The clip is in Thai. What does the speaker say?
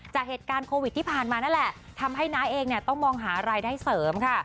จากเหตุการณ์โควิดที่ผ่านมานั่นแหละทำให้น้าเองเนี่ยต้องมองหารายได้เสริมค่ะ